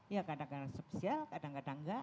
ya kadang kadang spesial kadang kadang enggak